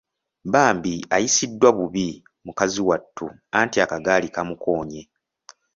Bambi ayisiddwa bubi mukazi wattu anti akagaali kaamukoonye.